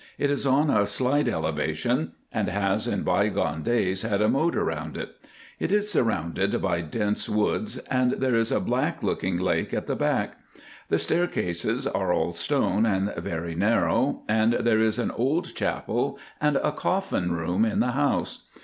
It is on a slight elevation, and has in bygone days had a moat around it. It is surrounded by dense woods, and there is a black looking lake at the back. The staircases are all stone and very narrow, and there is an old chapel and a coffin room in the house.